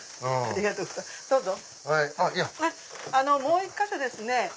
もう１か所ですね。